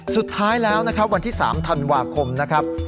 สุดท้ายแล้วนะครับวันที่๓ธันวาคมนะครับ